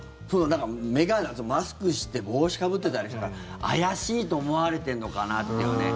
眼鏡とかマスクして帽子かぶってたりしてたから怪しいと思われてんのかなっていうね。